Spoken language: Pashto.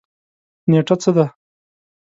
نیټه څه ده؟